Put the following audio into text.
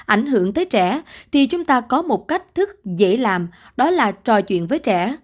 ảnh hưởng tới trẻ thì chúng ta có một cách thức dễ làm đó là trò chuyện với trẻ